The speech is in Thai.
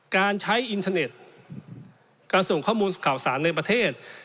การใช้อินเทอร์เน็ตการส่งข้อมูลข่าวสารในประเทศ